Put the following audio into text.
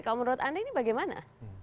kalau menurut anda ini bagaimana